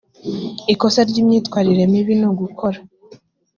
ikosa ry imyitwarire mibi ni ugukora